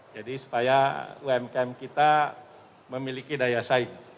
jadi supaya umkm kita memiliki daya saing